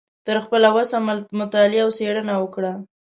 تر خپله وسه مطالعه او څیړنه وکړه